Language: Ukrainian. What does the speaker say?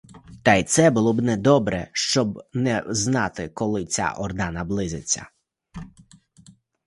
Та й це було б недобре, щоб не взнати, коли ця орда наблизиться.